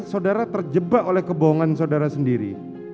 saudara terjebak oleh kebohongan saudara sendiri